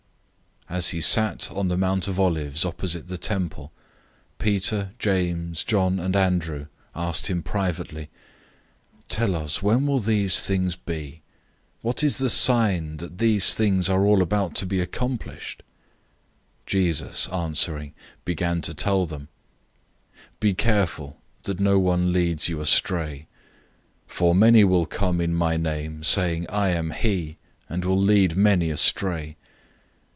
013:003 As he sat on the Mount of Olives opposite the temple, Peter, James, John, and Andrew asked him privately, 013:004 "Tell us, when will these things be? What is the sign that these things are all about to be fulfilled?" 013:005 Jesus, answering, began to tell them, "Be careful that no one leads you astray. 013:006 For many will come in my name, saying, 'I am he!{or, "I AM!"}' and will lead many astray.